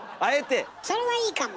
それはいいかも。